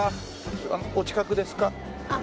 お近くですか？